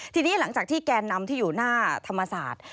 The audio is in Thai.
ทีนี้หลังจากที่แกนนำที่อยู่หน้าธรรมศาสตร์